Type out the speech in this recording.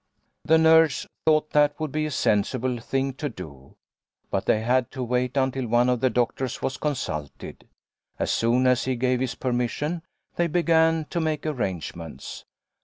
The nurse thought that would be a sensible thing to do, but they had to wait until one of the doctors was consulted. As soon as he gave his permission, they began to make arrangements.